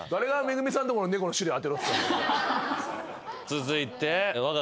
続いて。